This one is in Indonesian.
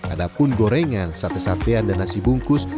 adapun gorengan sate satean dan nasi bungkus